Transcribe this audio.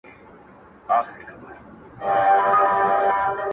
o د سپي د نيستيه ئې چغال تناو کړی دئ.